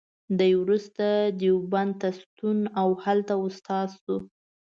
دی وروسته دیوبند ته ستون او هلته استاد شو.